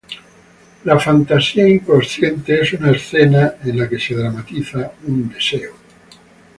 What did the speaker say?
La fantasía inconsciente es una escena en la que se dramatiza un deseo.